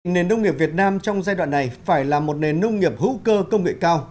nền nông nghiệp việt nam trong giai đoạn này phải là một nền nông nghiệp hữu cơ công nghệ cao